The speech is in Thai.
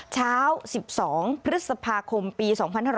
เช้า๑๒พฤษภาคมปี๒๕๖๐